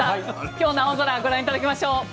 今日の青空をご覧いただきましょう。